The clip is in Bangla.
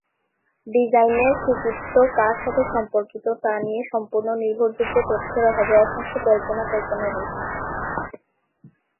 ডিজাইনের কৃতিত্ব কার সাথে সম্পর্কিত তা নিয়ে সম্পূর্ণ নির্ভরযোগ্য তথ্যের অভাবে অসংখ্য জল্পনা কল্পনা রয়েছে।